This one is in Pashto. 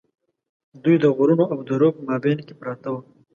دوی د غرونو او درو په مابین کې پراته وو.